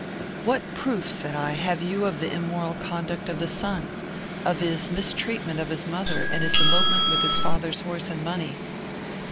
"What proof," said I, "have you of the immoral conduct of the son? Of his mistreatment of his mother, and his elopement with his father's horse and money?"